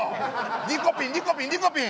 リコピンリコピンリコピン！